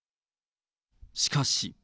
しかし。